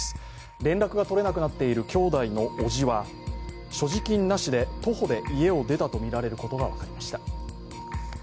連絡がとれなくなっている兄弟のおじは所持金なしで徒歩で家を出たとみられることが分かりました。